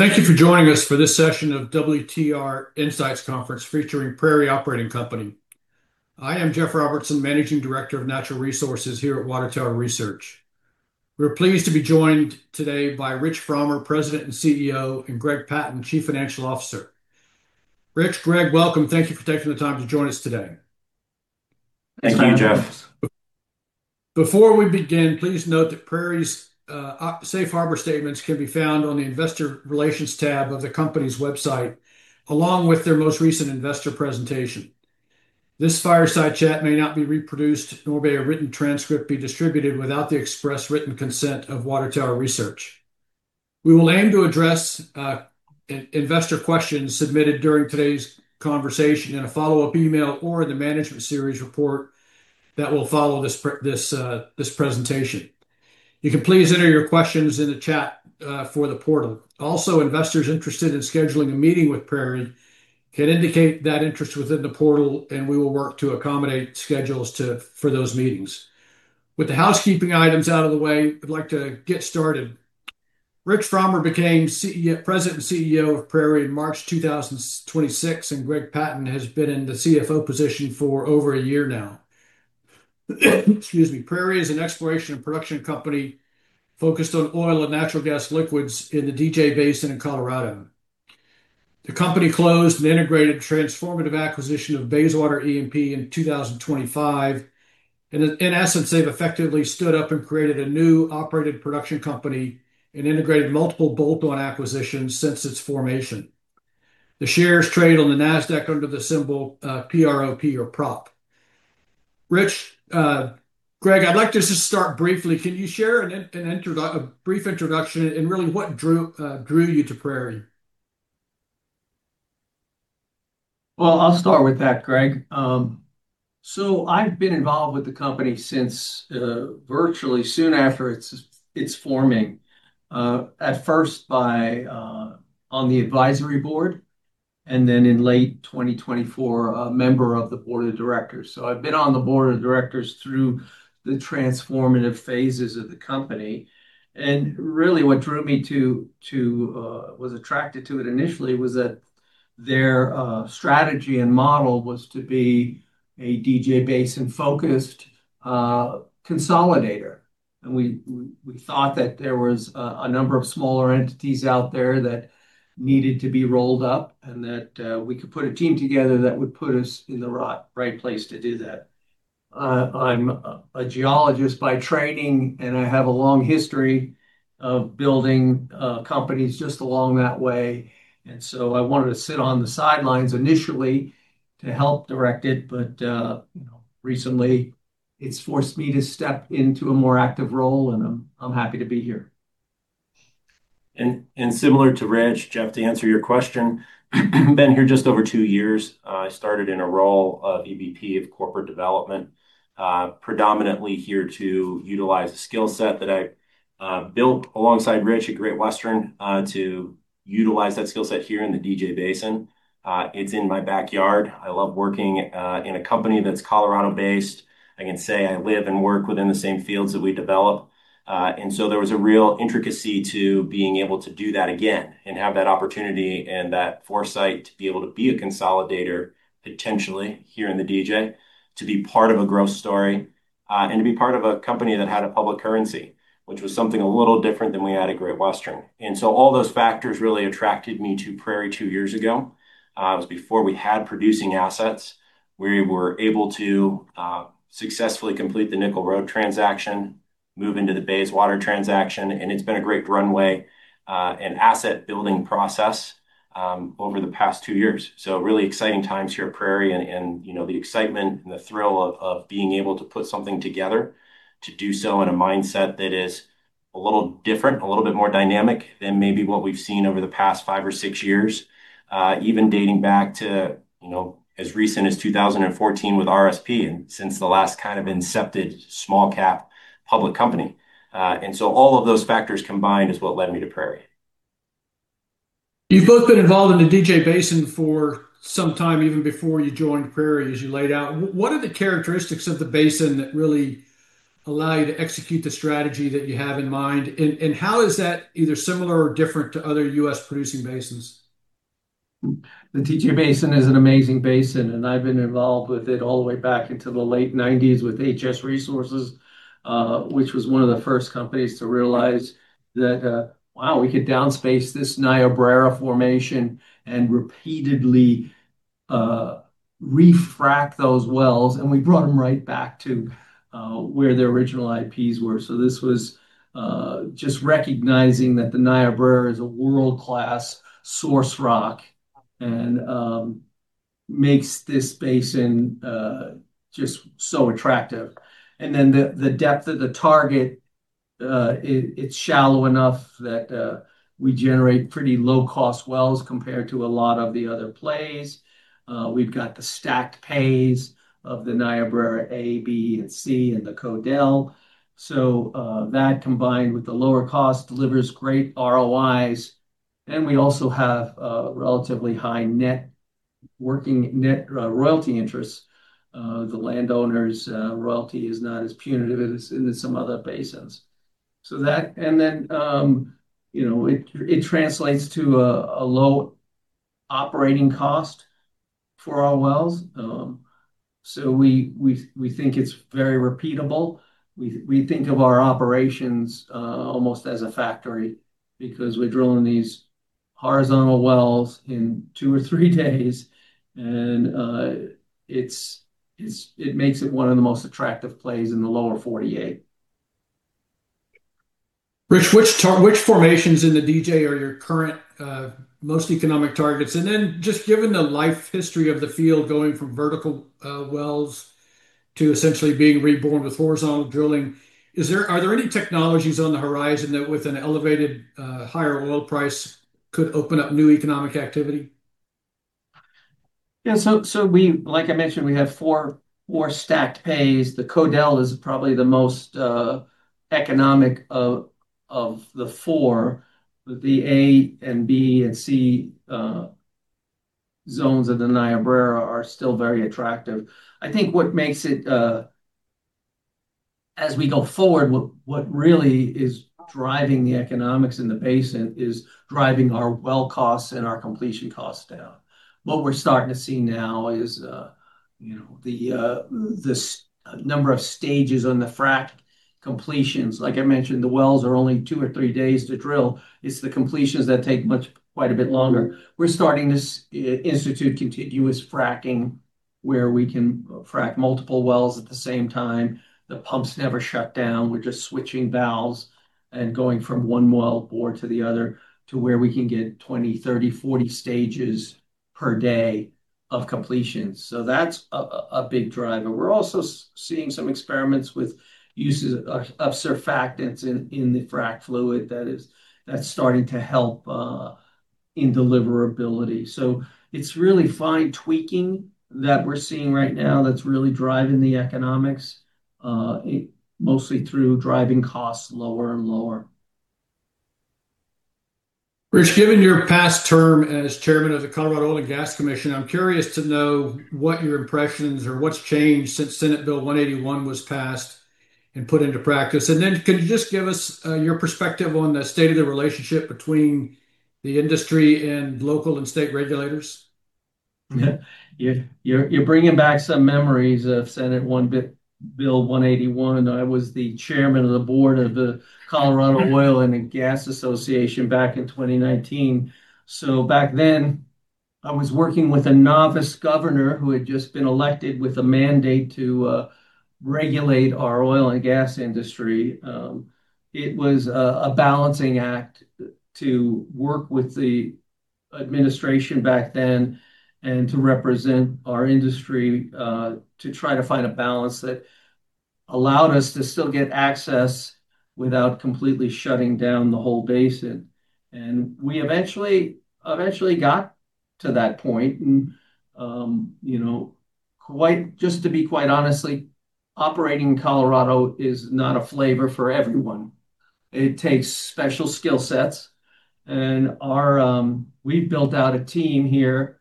Thank you for joining us for this session of WTR Insights Conference featuring Prairie Operating Co. I am Jeff Robertson, Managing Director of Natural Resources here at Water Tower Research. We're pleased to be joined today by Rich Frommer, President and CEO, and Greg Patton, Chief Financial Officer. Rich, Greg, welcome. Thank you for taking the time to join us today. Thank you, Jeff. Before we begin, please note that Prairie's safe harbor statements can be found on the Investor Relations tab of the company's website, along with their most recent investor presentation. This fireside chat may not be reproduced, nor may a written transcript be distributed without the express written consent of Water Tower Research. We will aim to address investor questions submitted during today's conversation in a follow-up email or the Management Series Report that will follow this presentation. You can please enter your questions in the chat for the portal. Also, investors interested in scheduling a meeting with Prairie can indicate that interest within the portal, and we will work to accommodate schedules for those meetings. With the housekeeping items out of the way, I'd like to get started. Rich Frommer became President and CEO of Prairie in March 2026, and Greg Patton has been in the CFO position for over a year now. Prairie is an exploration and production company focused on oil and natural gas liquids in the DJ Basin in Colorado. The company closed an integrated transformative acquisition of Bayswater E&P in 2025, and in essence, they've effectively stood up and created a new operated production company and integrated multiple bolt-on acquisitions since its formation. The shares trade on the Nasdaq under the symbol PROP. Greg, I'd like to just start briefly. Can you share a brief introduction and really what drew you to Prairie? I'll start with that, Greg. I've been involved with the company since virtually soon after its forming, at first on the Advisory Board, and then in late 2024, a member of the Board of Directors. I've been on the Board of Directors through the transformative phases of the company. Really what was attracted to it initially was that their strategy and model was to be a DJ Basin-focused consolidator, and we thought that there was a number of smaller entities out there that needed to be rolled up, and that we could put a team together that would put us in the right place to do that. I'm a geologist by training, and I have a long history of building companies just along that way. I wanted to sit on the sidelines initially to help direct it. Recently, it's forced me to step into a more active role, and I'm happy to be here. Similar to Rich, Jeff, to answer your question, been here just over two years. I started in a role of EVP of Corporate Development. Predominantly here to utilize the skill set that I've built alongside Rich at Great Western, to utilize that skill set here in the DJ Basin. It's in my backyard. I love working in a company that's Colorado-based. I can say I live and work within the same fields that we develop. There was a real intricacy to being able to do that again and have that opportunity and that foresight to be able to be a consolidator, potentially, here in the DJ, to be part of a growth story, and to be part of a company that had a public currency, which was something a little different than we had at Great Western. All those factors really attracted me to Prairie two years ago. It was before we had producing assets. We were able to successfully complete the Nickel Road transaction, move into the Bayswater transaction, and it's been a great runway and asset-building process over the past two years. Really exciting times here at Prairie and the excitement and the thrill of being able to put something together, to do so in a mindset that is a little different, a little bit more dynamic than maybe what we've seen over the past five or six years, even dating back to as recent as 2014 with RSP and since the last kind of incepted small-cap public company. All of those factors combined is what led me to Prairie. You've both been involved in the DJ Basin for some time, even before you joined Prairie, as you laid out. What are the characteristics of the basin that really allow you to execute the strategy that you have in mind, and how is that either similar or different to other U.S. producing basins? The DJ Basin is an amazing basin. I've been involved with it all the way back into the late 1990s with HS Resources, which was one of the first companies to realize that, wow, we could downspace this Niobrara formation and repeatedly refrac those wells, and we brought them right back to where their original IPs were. This was just recognizing that the Niobrara is a world-class source rock and makes this basin just so attractive. The depth of the target, it's shallow enough that we generate pretty low-cost wells compared to a lot of the other plays. We've got the stacked pays of the Niobrara A, B, and C and the Codell. That combined with the lower cost delivers great ROIs. We also have a relatively high net royalty interests. The landowner's royalty is not as punitive as in some other basins. It translates to a low operating cost for our wells. We think it's very repeatable. We think of our operations almost as a factory because we're drilling these horizontal wells in two or three days, and it makes it one of the most attractive plays in the Lower 48. Rich, which formations in the DJ are your current most economic targets? Just given the life history of the field going from vertical wells to essentially being reborn with horizontal drilling, are there any technologies on the horizon that with an elevated higher oil price could open up new economic activity? Yeah. Like I mentioned, we have four stacked pays. The Codell is probably the most economic of the four. The A and B and C zones of the Niobrara are still very attractive. I think, as we go forward, what really is driving the economics in the basin is driving our well costs and our completion costs down. What we're starting to see now is the number of stages on the frack completions. Like I mentioned, the wells are only two or three days to drill. It's the completions that take quite a bit longer. We're starting to institute continuous fracking where we can frack multiple wells at the same time. The pumps never shut down. We're just switching valves and going from one wellbore to the other to where we can get 20, 30, 40 stages per day of completion. That's a big driver. We're also seeing some experiments with uses of surfactants in the frack fluid that's starting to help in deliverability. It's really fine tweaking that we're seeing right now that's really driving the economics, mostly through driving costs lower and lower. Rich, given your past term as Chairman of the Colorado Oil and Gas Commission, I'm curious to know what your impressions or what's changed since Senate Bill 181 was passed and put into practice. Could you just give us your perspective on the state of the relationship between the industry and local and state regulators? Yeah. You're bringing back some memories of Senate Bill 181. I was the chairman of the board of the Colorado Oil and Gas Association back in 2019. So back then, I was working with a novice governor who had just been elected with a mandate to regulate our oil and gas industry. It was a balancing act to work with the administration back then and to represent our industry, to try to find a balance that allowed us to still get access without completely shutting down the whole basin. And we eventually got to that point. And just to be quite honestly, operating in Colorado is not a flavor for everyone. It takes special skill sets, and we've built out a team here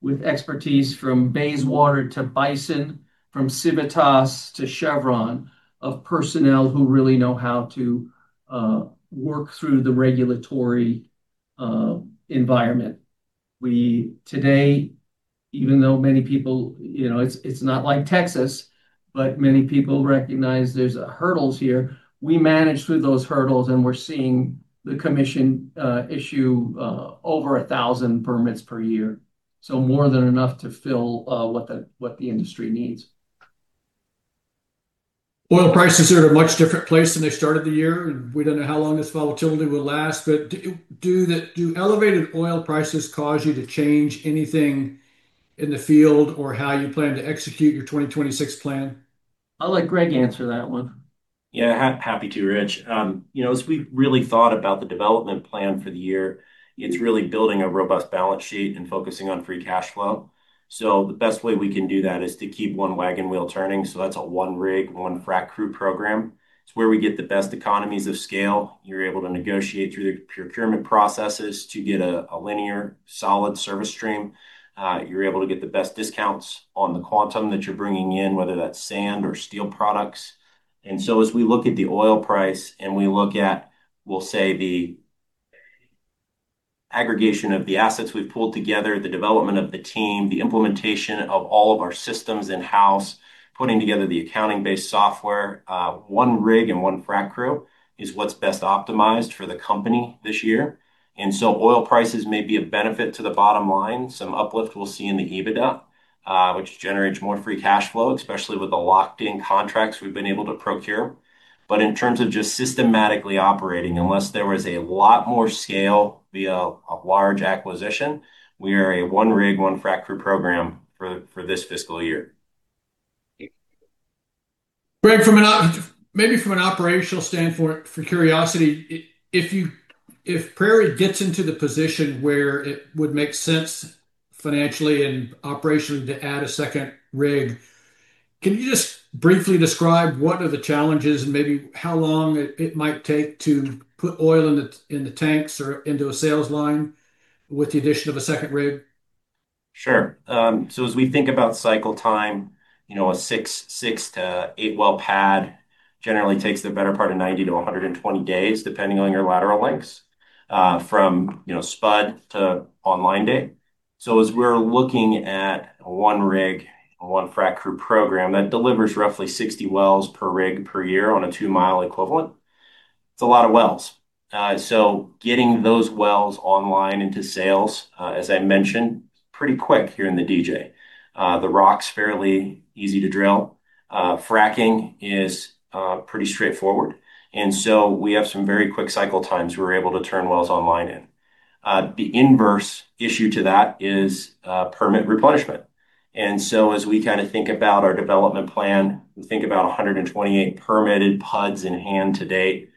with expertise from Bayswater to Bison, from Civitas to Chevron, of personnel who really know how to work through the regulatory environment. Today, it's not like Texas, but many people recognize there's hurdles here. We managed through those hurdles, and we're seeing the Commission issue over 1,000 permits per year, more than enough to fill what the industry needs. Oil prices are at a much different place than they started the year, and we don't know how long this volatility will last. Do elevated oil prices cause you to change anything in the field or how you plan to execute your 2026 plan? I'll let Greg answer that one. Yeah. Happy to, Rich. As we've really thought about the development plan for the year, it's really building a robust balance sheet and focusing on free cash flow. The best way we can do that is to keep one wagon wheel turning. That's a one rig, one frack crew program. It's where we get the best economies of scale. You're able to negotiate through the procurement processes to get a linear solid service stream. You're able to get the best discounts on the quantum that you're bringing in, whether that's sand or steel products. As we look at the oil price, and we look at, we'll say, the aggregation of the assets we've pulled together, the development of the team, the implementation of all of our systems in-house, putting together the accounting-based software, one rig and one frack crew is what's best optimized for the company this year. Oil prices may be a benefit to the bottom line. Some uplift we'll see in the EBITDA, which generates more free cash flow, especially with the locked-in contracts we've been able to procure. In terms of just systematically operating, unless there was a lot more scale via a large acquisition, we are a one rig, one frack crew program for this fiscal year. Greg, maybe from an operational standpoint, for curiosity, if Prairie gets into the position where it would make sense financially and operationally to add a second rig. Can you just briefly describe what are the challenges and maybe how long it might take to put oil in the tanks or into a sales line with the addition of a second rig? Sure. As we think about cycle time, a six to eight-well pad generally takes the better part of 90-120 days, depending on your lateral lengths, from spud to online date. As we're looking at a one rig and one frack crew program, that delivers roughly 60 wells per rig per year on a two-mile equivalent. It's a lot of wells. Getting those wells online into sales, as I mentioned, pretty quick here in the DJ. The rock's fairly easy to drill. Fracking is pretty straightforward, and so we have some very quick cycle times we're able to turn wells online in. The inverse issue to that is permit replenishment. As we think about our development plan, we think about 128 permitted pods in hand to date.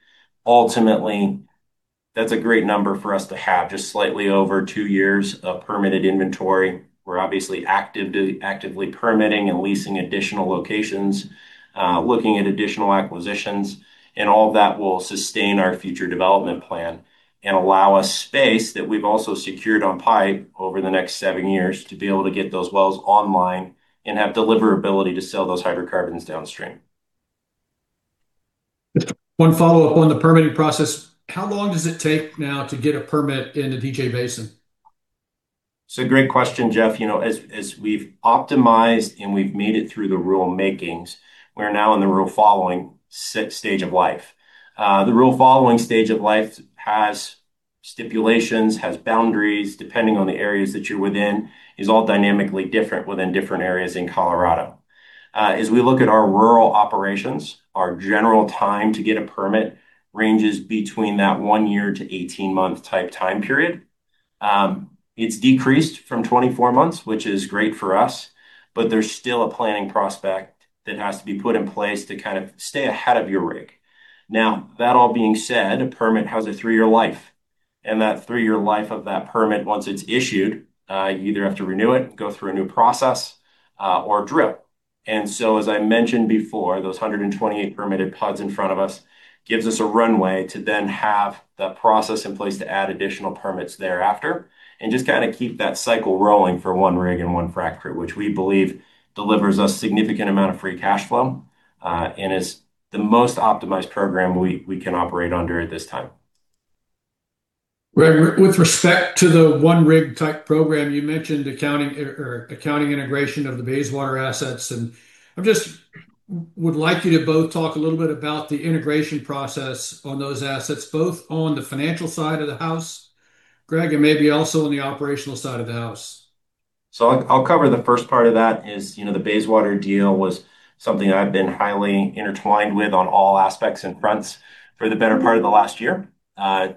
Ultimately, that's a great number for us to have, just slightly over two years of permitted inventory. We're obviously actively permitting and leasing additional locations, looking at additional acquisitions, and all of that will sustain our future development plan and allow us space that we've also secured on pipe over the next seven years to be able to get those wells online and have deliverability to sell those hydrocarbons downstream. Just one follow-up on the permitting process, how long does it take now to get a permit in the DJ Basin? It's a great question, Jeff. As we've optimized and we've made it through the rulemakings, we're now in the rule-following stage of life. The rule-following stage of life has stipulations, has boundaries, depending on the areas that you're within, is all dynamically different within different areas in Colorado. As we look at our rural operations, our general time to get a permit ranges between that one year to 18-month type time period. It's decreased from 24 months, which is great for us, but there's still a planning prospect that has to be put in place to stay ahead of your rig. Now, that all being said, a permit has a three-year life. That three-year life of that permit, once it's issued, you either have to renew it, go through a new process, or drill. As I mentioned before, those 128 permitted pads in front of us gives us a runway to then have the process in place to add additional permits thereafter and just keep that cycle rolling for one rig and one frack crew, which we believe delivers us significant amount of free cash flow, and is the most optimized program we can operate under at this time. Greg, with respect to the one rig type program, you mentioned accounting integration of the Bayswater assets. I just would like you to both talk a little bit about the integration process on those assets, both on the financial side of the house, Greg, and maybe also on the operational side of the house. I'll cover the first part of that. The Bayswater deal was something I've been highly intertwined with on all aspects and fronts for the better part of the last year.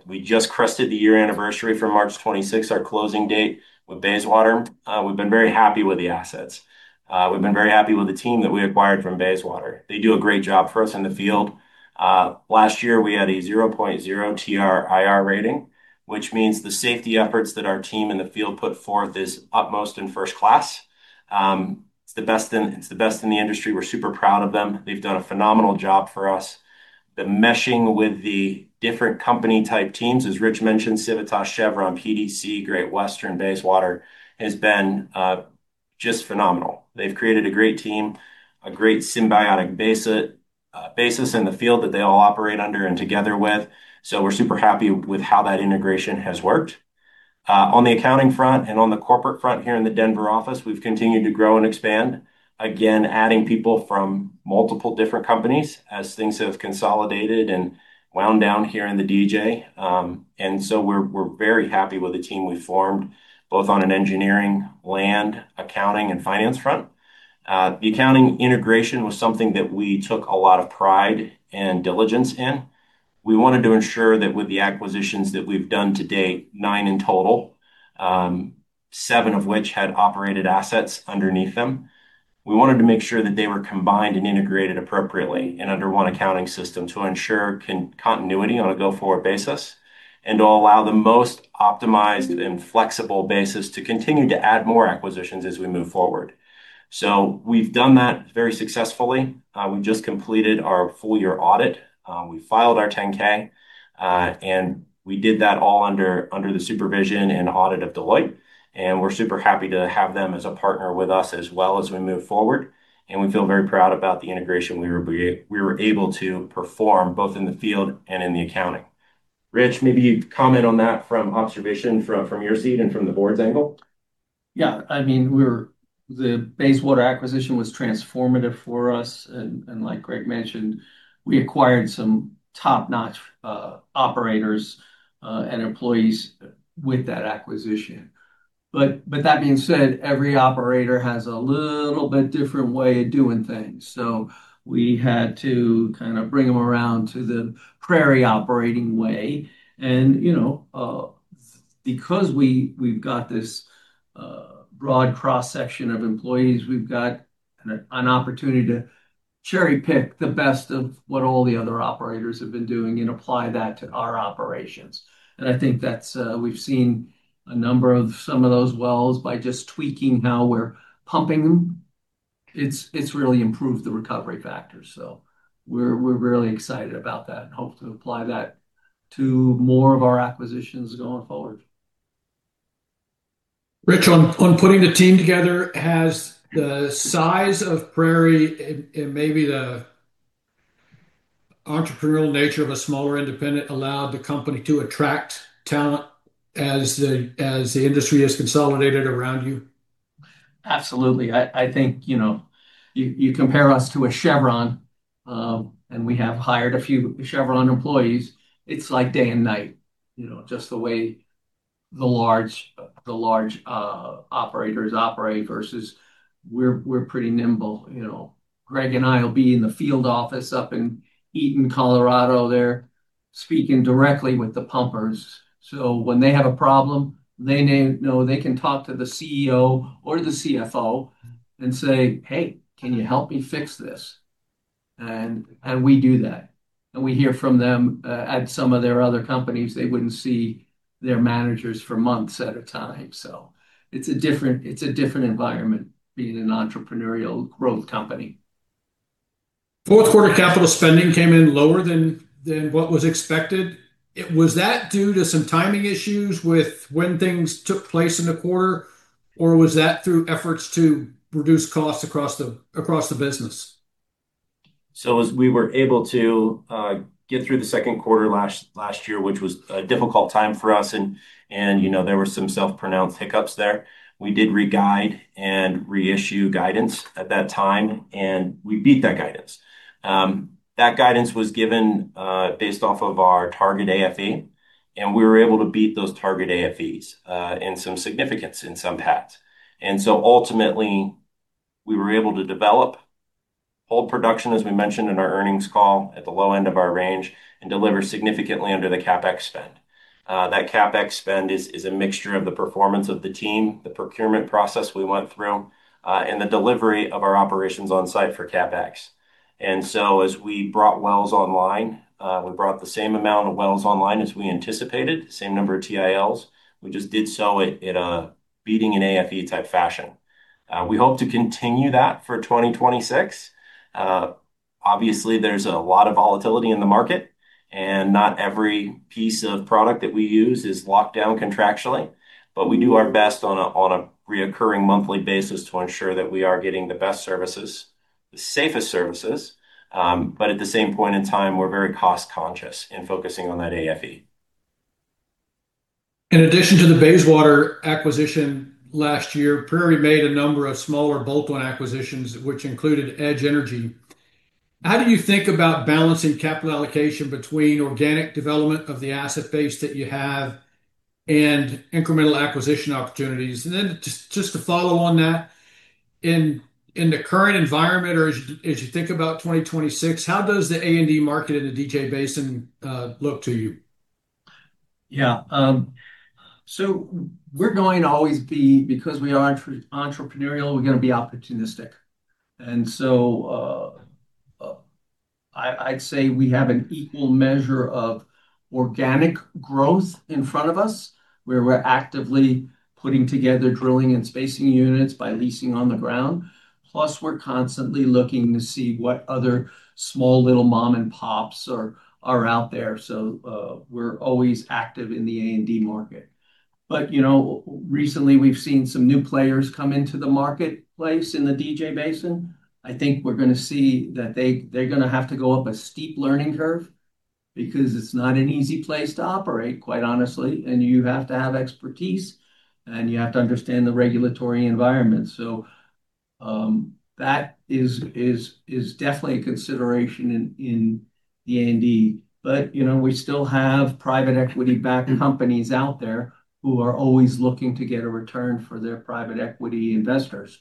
We just crested the year anniversary from March 26, our closing date with Bayswater. We've been very happy with the assets. We've been very happy with the team that we acquired from Bayswater. They do a great job for us in the field. Last year, we had a 0.0 TRIR rating, which means the safety efforts that our team in the field put forth is utmost and first-class. It's the best in the industry. We're super proud of them. They've done a phenomenal job for us. The meshing with the different company-type teams, as Rich mentioned, Civitas, Chevron, PDC, Great Western, Bayswater, has been just phenomenal. They've created a great team, a great symbiotic basis in the field that they all operate under and together with. We're super happy with how that integration has worked. On the accounting front and on the corporate front here in the Denver office, we've continued to grow and expand, again, adding people from multiple different companies as things have consolidated and wound down here in the DJ. We're very happy with the team we formed, both on an engineering, land, accounting, and finance front. The accounting integration was something that we took a lot of pride and diligence in. We wanted to ensure that with the acquisitions that we've done to date, nine in total, seven of which had operated assets underneath them. We wanted to make sure that they were combined and integrated appropriately and under one accounting system to ensure continuity on a go-forward basis and to allow the most optimized and flexible basis to continue to add more acquisitions as we move forward. We've done that very successfully. We've just completed our full-year audit. We filed our 10-K, and we did that all under the supervision and audit of Deloitte. We're super happy to have them as a partner with us as well as we move forward. We feel very proud about the integration we were able to perform both in the field and in the accounting. Rich, maybe you'd comment on that from observation from your seat and from the Board's angle? Yeah. The Bayswater acquisition was transformative for us. Like Greg mentioned, we acquired some top-notch operators and employees with that acquisition. That being said, every operator has a little bit different way of doing things. We had to bring them around to the Prairie Operating way. Because we've got this broad cross-section of employees, we've got an opportunity to cherry-pick the best of what all the other operators have been doing and apply that to our operations. I think we've seen a number of some of those wells by just tweaking how we're pumping them. It's really improved the recovery factor. We're really excited about that and hope to apply that to more of our acquisitions going forward. Rich, on putting the team together, has the size of Prairie and maybe the entrepreneurial nature of a smaller independent allowed the company to attract talent as the industry has consolidated around you? Absolutely. I think, you compare us to a Chevron, and we have hired a few Chevron employees, it's like day and night, just the way the large operators operate versus we're pretty nimble. Greg and I will be in the field office up in Eaton, Colorado, there, speaking directly with the pumpers. When they have a problem, they know they can talk to the CEO or the CFO and say, "Hey, can you help me fix this?" We do that. We hear from them. At some other companies, they wouldn't see their managers for months at a time. It's a different environment being an entrepreneurial growth company. Fourth quarter capital spending came in lower than what was expected. Was that due to some timing issues with when things took place in the quarter, or was that through efforts to reduce costs across the business? As we were able to get through the second quarter last year, which was a difficult time for us, and there were some self-pronounced hiccups there. We did re-guide and reissue guidance at that time, and we beat that guidance. That guidance was given based off of our target AFE, and we were able to beat those target AFEs in some significance in some pads. Ultimately, we were able to develop whole production, as we mentioned in our earnings call, at the low end of our range and deliver significantly under the CapEx spend. That CapEx spend is a mixture of the performance of the team, the procurement process we went through, and the delivery of our operations on site for CapEx. As we brought wells online, we brought the same amount of wells online as we anticipated, same number of TILs. We just did so in a beating an AFE type fashion. We hope to continue that for 2026. Obviously, there's a lot of volatility in the market, and not every piece of product that we use is locked down contractually, but we do our best on a reoccurring monthly basis to ensure that we are getting the best services, the safest services. At the same point in time, we're very cost conscious in focusing on that AFE. In addition to the Bayswater acquisition last year, Prairie made a number of smaller bolt-on acquisitions, which included Edge Energy. How do you think about balancing capital allocation between organic development of the asset base that you have and incremental acquisition opportunities? Just to follow on that, in the current environment or as you think about 2026, how does the A&D market in the DJ Basin look to you? Yeah. We're going to always be, because we are entrepreneurial, we're going to be opportunistic. I'd say we have an equal measure of organic growth in front of us, where we're actively putting together drilling and spacing units by leasing on the ground. Plus, we're constantly looking to see what other small little mom-and-pops are out there. We're always active in the A&D market. Recently we've seen some new players come into the marketplace in the DJ Basin. I think we're going to see that they're going to have to go up a steep learning curve because it's not an easy place to operate, quite honestly, and you have to have expertise, and you have to understand the regulatory environment. That is definitely a consideration in the A&D. We still have private-equity-backed companies out there who are always looking to get a return for their private equity investors.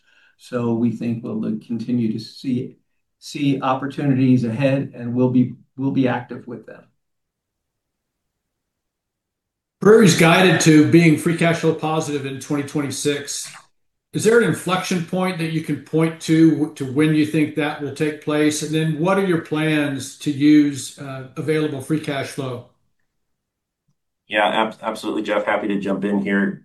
We think we'll continue to see opportunities ahead, and we'll be active with them. Prairie's guided to being free cash flow positive in 2026. Is there an inflection point that you can point to when you think that will take place? What are your plans to use available free cash flow? Yeah. Absolutely, Jeff. I am happy to jump in here.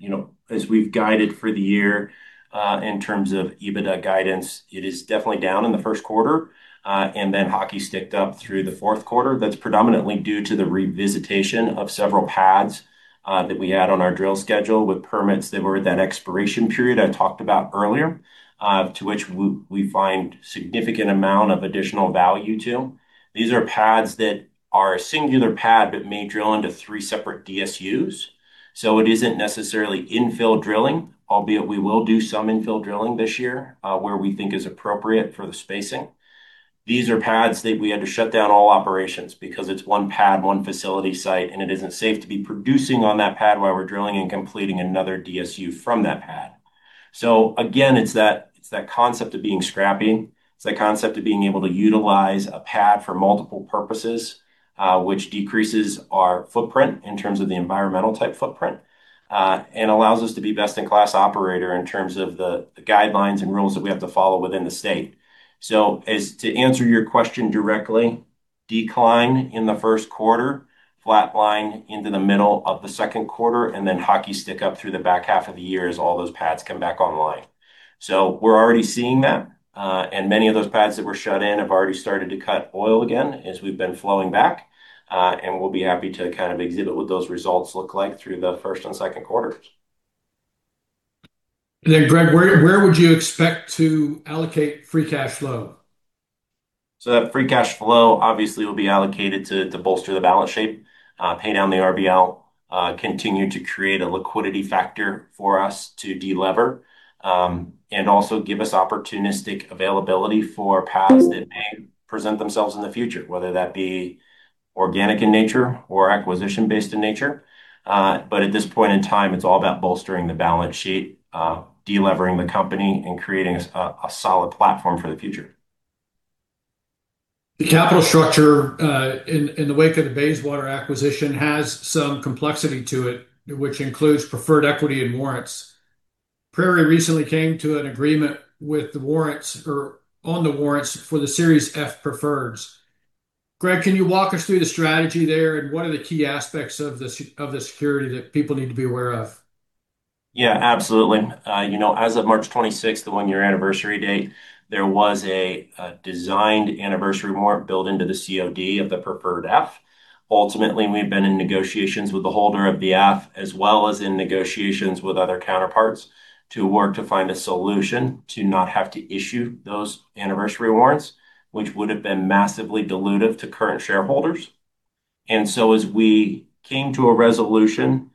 As we've guided for the year, in terms of EBITDA guidance, it is definitely down in the first quarter, and then hockey-sticked up through the fourth quarter. That's predominantly due to the revisitation of several pads that we had on our drill schedule with permits that were that expiration period I talked about earlier, to which we find significant amount of additional value to. These are pads that are a singular pad but may drill into three separate DSUs. It isn't necessarily infill drilling, albeit we will do some infill drilling this year, where we think is appropriate for the spacing. These are pads that we had to shut down all operations because it's one pad, one facility site, and it isn't safe to be producing on that pad while we're drilling and completing another DSU from that pad. Again, it's that concept of being scrappy. It's that concept of being able to utilize a pad for multiple purposes, which decreases our footprint in terms of the environmental type footprint, and allows us to be best-in-class operator in terms of the guidelines and rules that we have to follow within the state. As to answer your question directly, decline in the first quarter, flatline into the middle of the second quarter, and then hockey stick up through the back half of the year as all those pads come back online. We're already seeing that. Many of those pads that were shut in have already started to cut oil again as we've been flowing back. We'll be happy to kind of exhibit what those results look like through the first and second quarters. Greg, where would you expect to allocate free cash flow? That free cash flow obviously will be allocated to bolster the balance sheet, pay down the RBL, continue to create a liquidity factor for us to delever, and also give us opportunistic availability for paths that may present themselves in the future, whether that be organic in nature or acquisition based in nature. At this point in time, it's all about bolstering the balance sheet, delevering the company, and creating a solid platform for the future. The capital structure, in the wake of the Bayswater acquisition, has some complexity to it, which includes preferred equity and warrants. Prairie recently came to an agreement with the warrants or on the warrants for the Series F preferreds. Greg, can you walk us through the strategy there, and what are the key aspects of the security that people need to be aware of? Yeah, absolutely. As of March 26th, the one-year anniversary date, there was a designed anniversary warrant built into the COD of the preferred F. Ultimately, we've been in negotiations with the holder of the F, as well as in negotiations with other counterparts to work to find a solution to not have to issue those anniversary warrants, which would have been massively dilutive to current shareholders. As we came to a resolution,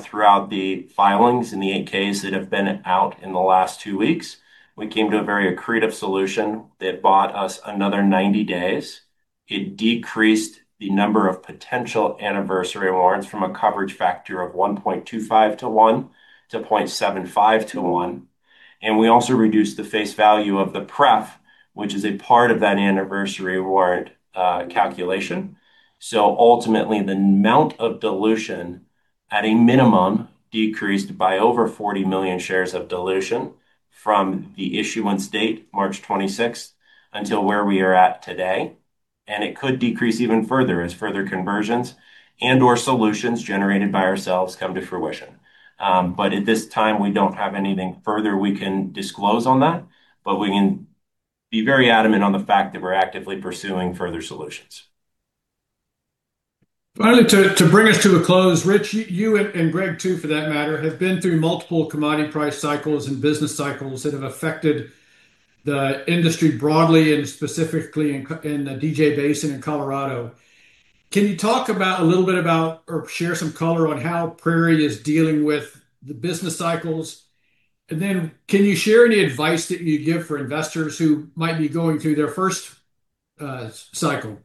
throughout the filings and the 8Ks that have been out in the last two weeks, we came to a very accretive solution that bought us another 90 days. It decreased the number of potential anniversary warrants from a coverage factor of 1.25 to 1 to 0.75 to 1. We also reduced the face value of the pref, which is a part of that anniversary warrant calculation. Ultimately, the amount of dilution at a minimum decreased by over 40 million shares of dilution from the issuance date, March 26th, until where we are at today, and it could decrease even further as further conversions and/or solutions generated by ourselves come to fruition. At this time, we don't have anything further we can disclose on that, but we can be very adamant on the fact that we're actively pursuing further solutions. Finally, to bring us to a close, Rich, you and Greg too for that matter, have been through multiple commodity price cycles and business cycles that have affected the industry broadly and specifically in the DJ Basin in Colorado. Can you talk a little bit about or share some color on how Prairie is dealing with the business cycles? Can you share any advice that you'd give for investors who might be going through their first cycle?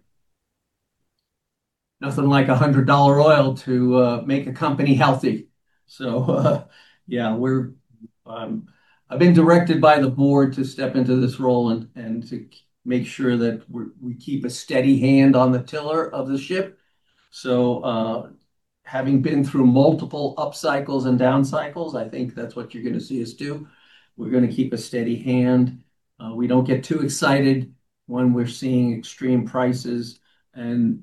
Nothing like $100 oil to make a company healthy. Yeah, I've been directed by the Board to step into this role and to make sure that we keep a steady hand on the tiller of the ship. Having been through multiple up cycles and down cycles, I think that's what you're going to see us do. We're going to keep a steady hand. We don't get too excited when we're seeing extreme prices and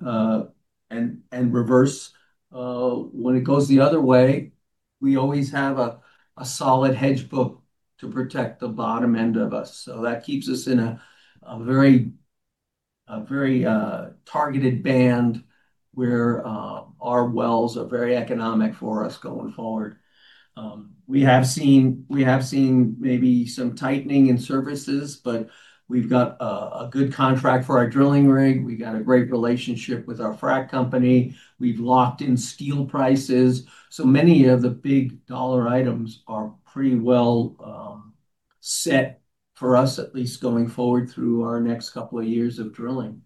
reverse. When it goes the other way, we always have a solid hedge book to protect the bottom end of us. That keeps us in a very targeted band where our wells are very economic for us going forward. We have seen maybe some tightening in services, but we've got a good contract for our drilling rig. We got a great relationship with our frack company. We've locked in steel prices. Many of the big dollar items are pretty well set for us at least going forward through our next couple of years of drilling.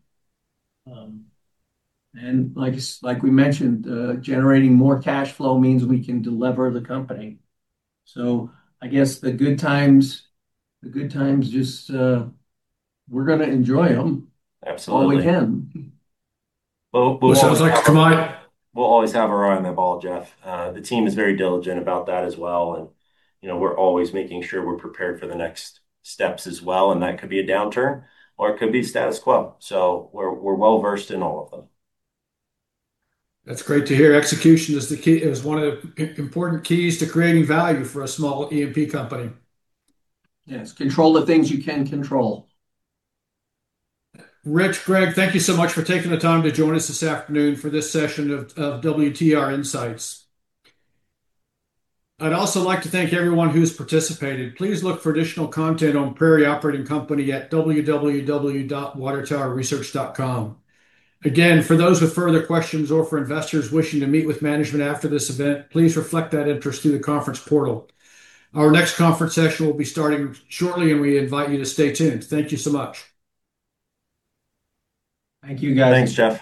Like we mentioned, generating more cash flow means we can delever the company. I guess the good times, we're going to enjoy them all we can. We'll always have our eye on the ball, Jeff. The team is very diligent about that as well. We're always making sure we're prepared for the next steps as well. That could be a downturn or it could be status quo. We're well-versed in all of them. That's great to hear. Execution is one of the important keys to creating value for a small E&P company. Yes, control the things you can control. Rich, Greg, thank you so much for taking the time to join us this afternoon for this session of WTR Insights. I'd also like to thank everyone who's participated. Please look for additional content on Prairie Operating Co. at www.watertowerresearch.com. Again, for those with further questions or for investors wishing to meet with management after this event, please reflect that interest through the conference portal. Our next conference session will be starting shortly, and we invite you to stay tuned. Thank you so much. Thank you, guys. Thanks, Jeff.